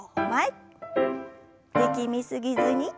力み過ぎずに。